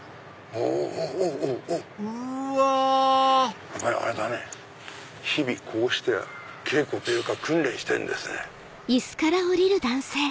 あれだね日々こうして稽古というか訓練してるんですね。